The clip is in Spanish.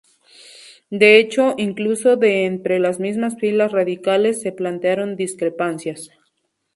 De hecho, incluso de entre las mismas filas radicales se plantearon discrepancias.